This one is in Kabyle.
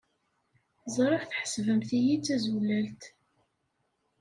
Ẓriɣ tḥesbemt-iyi d tazulalt.